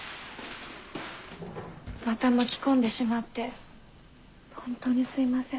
また巻き込んでしまって本当にすいません。